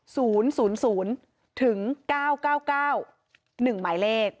ศูนย์ศูนย์ศูนย์ถึงเก้าเก้าเก้าหนึ่งหมายเลข